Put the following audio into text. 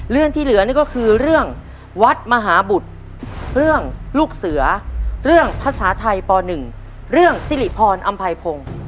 เรื่องที่เหลือนี่ก็คือเรื่องวัดมหาบุตรเรื่องลูกเสือเรื่องภาษาไทยป๑เรื่องสิริพรอำไพพงศ์